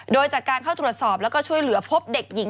โดยจากการเข้าตรวจสอบแล้วก็ช่วยเหลือพบเด็กหญิง